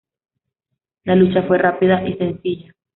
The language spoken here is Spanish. La lucha fue rápida y sencilla.